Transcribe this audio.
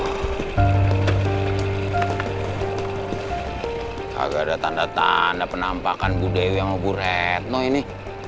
gak ada tanda tanda penampakan bu dewi sama bu retno ini